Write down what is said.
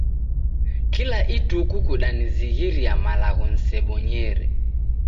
Kila ituku kudanizighiria malagho nisebonyere